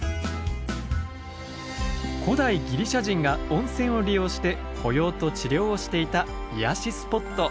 古代ギリシャ人が温泉を利用して保養と治療をしていた癒やしスポット。